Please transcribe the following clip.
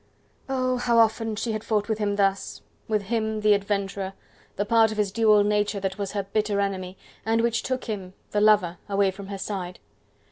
Oh! how often she had fought with him thus: with him, the adventurer, the part of his dual nature that was her bitter enemy, and which took him, the lover, away from her side.